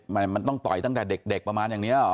มันต้องต่อยตั้งแต่เด็กประมาณอย่างนี้หรอ